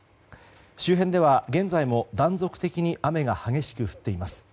周辺では現在も、断続的に雨が激しく降っています。